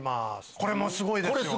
これもすごいですよ。